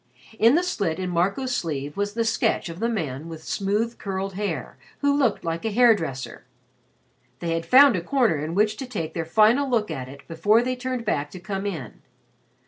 In the slit in Marco's sleeve was the sketch of the man with smooth curled hair, who looked like a hair dresser. They had found a corner in which to take their final look at it before they turned back to come in.